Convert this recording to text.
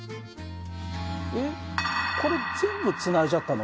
えっこれ全部つないじゃったの？